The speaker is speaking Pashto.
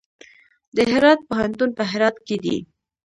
د هرات پوهنتون په هرات کې دی